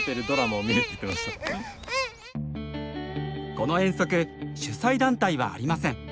この遠足主催団体はありません。